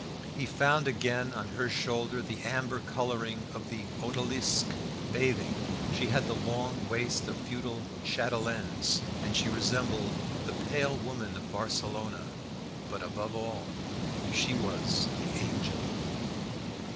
He found again on her shoulder the amber colouring of the "Odalisque Bathing"; she had the long waist of feudal chatelaines, and she resembled the "Pale Woman of Barcelona." But above all she was the Angel!